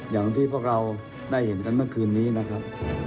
อย่างที่พวกเราได้เห็นกันเมื่อคืนนี้นะครับ